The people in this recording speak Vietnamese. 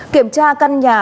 kiểm tra căn nhà